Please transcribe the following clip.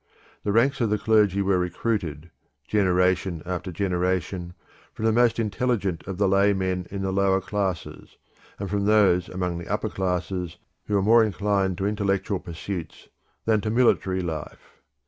The ranks of the clergy were recruited, generation after generation, from the most intelligent of the lay men in the lower classes, and from those among the upper classes who were more inclined to intellectual pursuits than to military life.